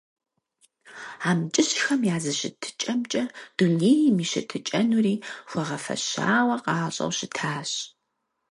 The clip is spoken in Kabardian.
АмкӀыщхэм я зыщӀыкӀэмкӀэ, дунейм и щытыкӀэнури хуэгъэфэщауэ къащӀэу щытащ.